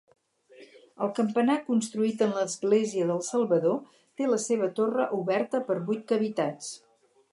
El campanar construït en l'església del Salvador té la seva torre oberta per vuit cavitats.